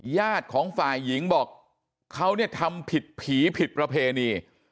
ญาติของฝ่ายหญิงบอกเขาเนี่ยทำผิดผีผิดประเพณี